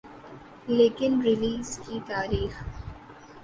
لیکن ریلیز کی تاریخ